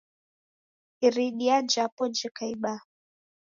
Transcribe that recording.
Iridia japo jeka ibaha.